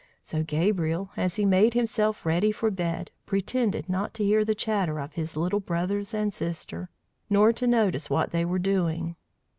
So Gabriel, as he made himself ready for bed, pretended not to hear the chatter of his little brothers and sister, nor to notice what they were doing.